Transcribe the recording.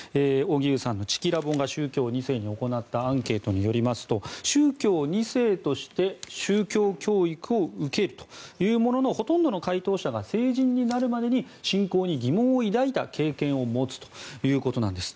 荻上さんのチキラボが宗教２世に行ったアンケートによりますと宗教２世として宗教教育を受けるというもののほとんどの回答者が成人になるまでに信仰に疑問を抱いた経験を持つということなんです。